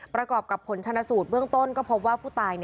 ประกอบกับผลชนะสูตรเบื้องต้นก็พบว่าผู้ตาย